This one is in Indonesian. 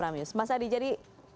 mas adi jadi